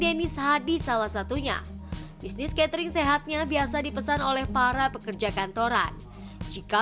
jenis hadi salah satunya bisnis catering sehatnya biasa dipesan oleh para pekerja kantoran jika